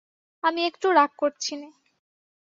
আমি একটুও রাগ করছি নে।